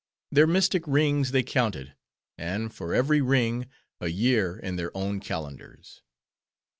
Their mystic rings they counted; and, for every ring, a year in their own calendars.